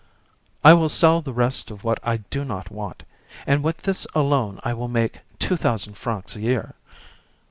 I will sell the rest of what I do not want, and with this alone I will make two thousand francs a year.